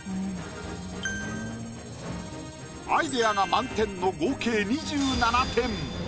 アイデアが満点の合計２７点。